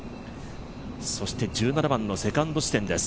そして、１７番のセカンド地点です。